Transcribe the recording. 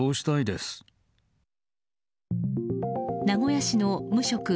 名古屋市の無職